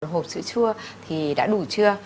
hộp sữa chua thì đã đủ chưa